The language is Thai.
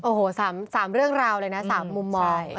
โอ้โห๓เรื่องราวเลยนะ๓มุมมอง